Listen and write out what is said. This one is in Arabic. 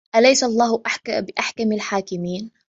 أَلَيْسَ اللَّهُ بِأَحْكَمِ الْحَاكِمِينَ